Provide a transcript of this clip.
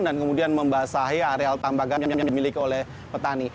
dan kemudian membasahi areal tambahan yang dimiliki oleh petani